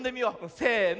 せの。